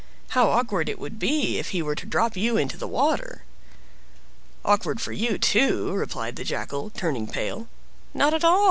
How awkward if he were to drop you into the water!" "Awkward for you, too!" replied the Jackal, turning pale. "Not at all!